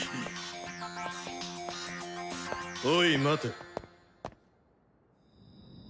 おい待て。